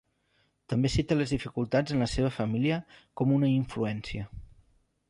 També cita les dificultats en la seva família com una influència.